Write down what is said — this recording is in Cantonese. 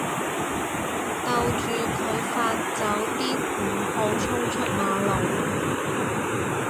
逗住佢發酒癲唔好衝出馬路